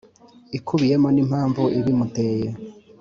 Ikubiyemo n impamvu ibimuteye